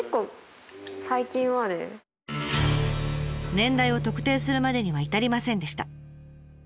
年代を特定するまでには至りませんでした。